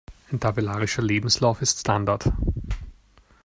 Ein tabellarischer Lebenslauf ist Standard.